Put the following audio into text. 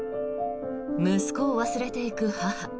息子を忘れていく母。